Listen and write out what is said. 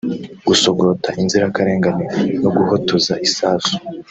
gusogota inzirakarengane no guhotoza isasu